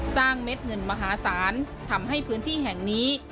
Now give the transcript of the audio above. เม็ดเงินมหาศาลทำให้พื้นที่แห่งนี้